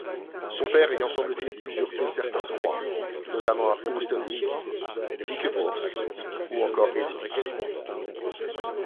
Son père ayant semble-il usurpé certains droits notamment à Oosterwijk, Wiekevorst ou encore Hezewijk.